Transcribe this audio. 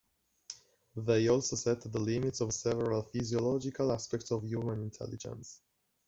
They also set the limits of several physiological aspects of human intelligence.